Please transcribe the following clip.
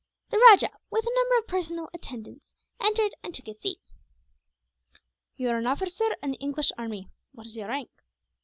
The rajah, with a number of personal attendants, entered and took his seat. "You are an officer in the English army. What is your rank?"